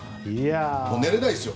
寝れないですよ。